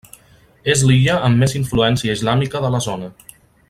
És l'illa amb més influència islàmica de la zona.